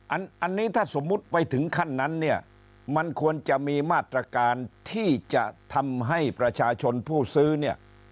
อันนี้ถ้าสมมุติไปถึงขั้นนั้นเนี่ยมันควรจะมีมาตรการที่จะทำให้ประชาชนผู้ซื้อเนี่ย